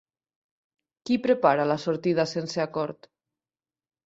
Qui prepara la sortida sense acord?